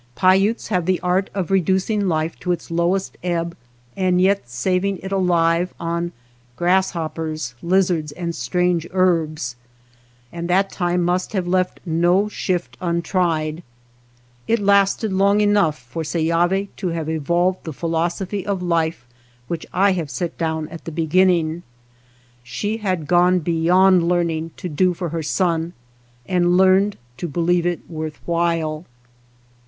Paiutes have the art of reducing life to its lowest ebb and yet saving it alive on grasshoppers, lizards, and strange herbs; and that time must have left no shift un i66 THE BASKET MAKER tried. It lasted long enough for Seyavi to have evolved the philosophy of life which I have_^et down at the beginning. She had gone beyond learning to do for her son, and learned to believe it worth while.